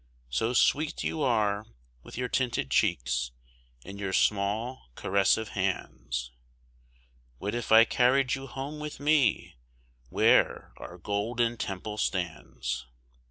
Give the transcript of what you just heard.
So sweet you are, with your tinted cheeks and your small caressive hands, What if I carried you home with me, where our Golden Temple stands?